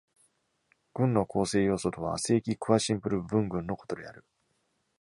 群の構成要素とは亜正規クアシンプル部分群のことである。